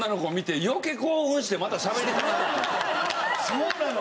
そうなの！